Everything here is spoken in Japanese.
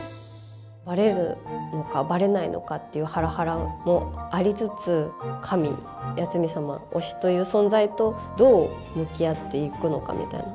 バレるのかバレないのかっていうハラハラもありつつ神八海サマ推しという存在とどう向き合っていくのかみたいな。